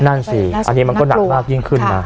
นั่นสิอันนี้มันก็หนักมากยิ่งขึ้นนะ